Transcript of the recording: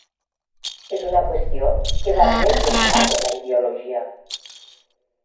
És una qüestió que va més enllà de la ideologia.